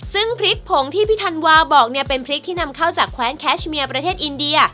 ซึ่งพริกผงที่พี่ธันวาบอกเนี่ยเป็นพริกที่นำเข้าจากแคว้นแคชเมียประเทศอินเดีย